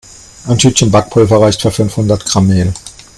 Ein Tütchen Backpulver reicht für fünfhundert Gramm Mehl.